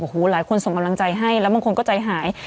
โอ้โหหลายคนส่งกำลังใจให้แล้วบางคนก็ใจหาย